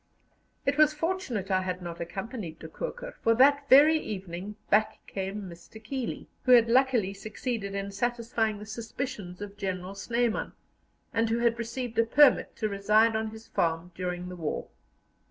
It was fortunate I had not accompanied De Koker, for that very evening back came Mr. Keeley, who had luckily succeeded in satisfying the suspicions of General Snyman, and who had received a permit to reside on his farm during the war.